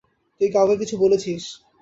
তুই কাউকে কিছু বলেছিস?